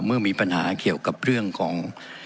เมื่อมีปัญหาเกี่ยวกับเรื่องของ